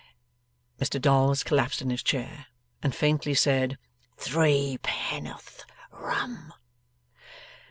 Mr Dolls collapsed in his chair, and faintly said 'Threepenn'orth Rum.